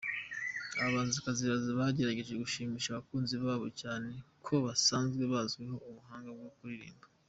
Aba bahanzikazi bagerageje gushimisha abakunzi babo cyane ko basanzwe bazwiho ubuhanga mu kuririmba.